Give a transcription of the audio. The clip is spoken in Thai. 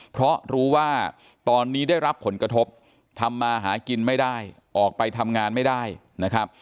เพราะรู้ว่าตอนนี้ได้รับผลกระทบทำมาหากินไม่ได้ออกไปทำงานไม่ได้นะครับ